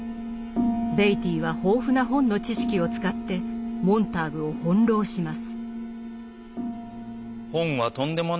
ベイティーは豊富な本の知識を使ってモンターグを翻弄します。